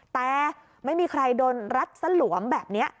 แต่ไม่มีใครโดนรัดสลวมแบบนี้